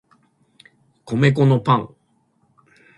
米粉のパン